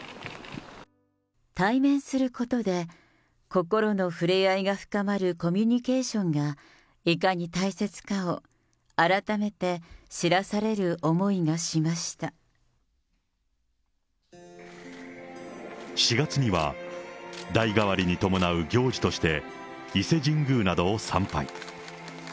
対面することで、心の触れ合いが深まるコミュニケーションがいかに大切かを改めて４月には、代替わりに伴う行事として、伊勢神宮などを参拝。